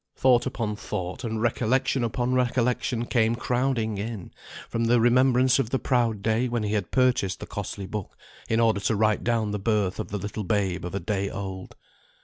Thought upon thought, and recollection upon recollection came crowding in, from the remembrance of the proud day when he had purchased the costly book, in order to write down the birth of the little babe of a day old.